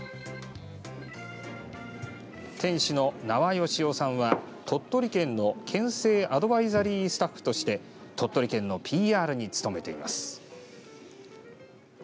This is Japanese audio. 店主の名和佳夫さんは、鳥取県の県政アドバイザリースタッフとして鳥取県のＰＲに努めています。